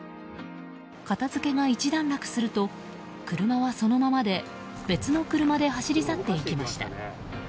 片付けが一段落すると車はそのままで別の車で走り去っていきました。